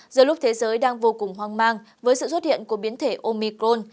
giữa lúc thế giới đang vô cùng hoang mang với sự xuất hiện của biến thể omicron